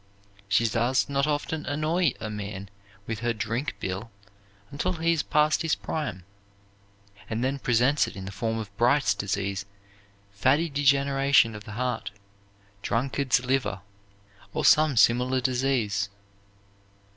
She does not often annoy a man with her drink bill until he is past his prime, and then presents it in the form of Bright's disease, fatty degeneration of the heart, drunkard's liver, or some similar disease.